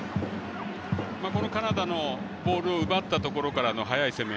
カナダのボールを奪ったところからの速い攻め。